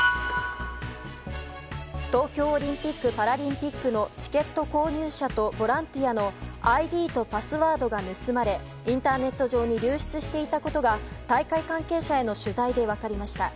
東京オリンピック・パラリンピックのチケット購入者とボランティアのＩＤとパスワードが盗まれインターネット上に流出していたことが大会関係者への取材で分かりました。